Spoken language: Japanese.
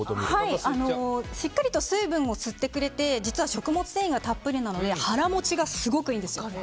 しっかりと水分を吸ってくれて実は食物繊維がたっぷりなので腹持ちがすごくいいんです。